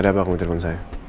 ada apa kok butirkan saya